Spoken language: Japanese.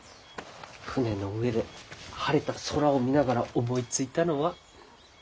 船の上で晴れた空を見ながら思いついたのは。